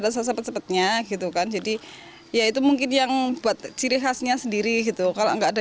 pisang cepetnya gitu kan jadi yaitu mungkin yang buat ciri khasnya sendiri gitu kalau nggak ada